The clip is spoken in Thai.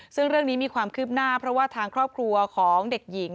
ซึ่งเรื่องนี้มีความคืบหน้าเพราะว่าทางครอบครัวของเด็กหญิง